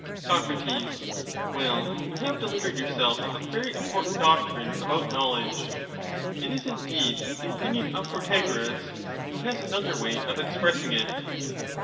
Soc, Well, you have delivered yourself of a very important This is only 1 52 doctrine about knowledge ; it is indeed the opinion of Prota ^^^^^ goras, who has another way of expressing it.